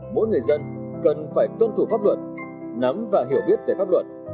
mỗi người dân cần phải tuân thủ pháp luật nắm và hiểu biết về pháp luật